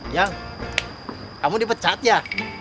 yang kamu dipecat ya